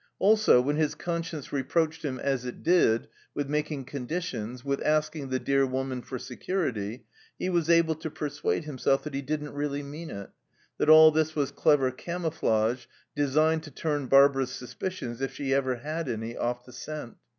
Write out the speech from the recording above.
Also, when his conscience reproached him, as it did, with making conditions, with asking the dear woman for security, he was able to persuade himself that he didn't really mean it, that all this was clever camouflage designed to turn Barbara's suspicions, if she ever had any, off the scent.